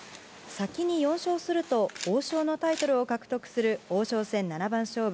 先に４勝すると、王将のタイトルを獲得する王将戦七番勝負。